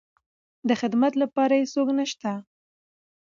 د خدمت لپاره يې څوک نشته.